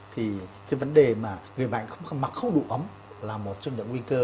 thì cái vấn đề mà người mạnh không có mặc khâu đủ ấm là một trong những nguy cơ